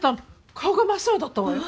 顔が真っ青だったわよ。